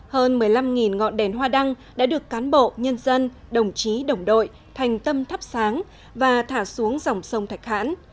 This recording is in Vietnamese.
hơn một mươi năm ngọn đèn hoa đăng đã được cán bộ nhân dân đồng chí đồng đội thành tâm thắp sáng và thả xuống dòng sông thạch hãn